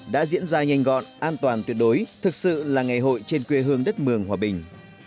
đã diễn ra nhanh gọn an toàn tuyệt đối thực sự là ngày hội trên quê hương đất mường hòa bình